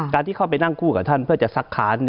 ที่เข้าไปนั่งคู่กับท่านเพื่อจะซักค้าน